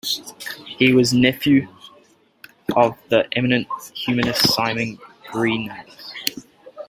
He was nephew of the eminent Humanist Simon Grynaeus.